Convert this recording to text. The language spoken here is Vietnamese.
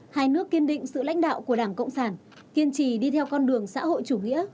hai nước kiên định sự lãnh đạo của đảng cộng sản kiên trì đi theo con đường xã hội chủ nghĩa